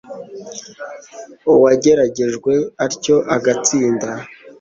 uwageragejwe atyo agatsinda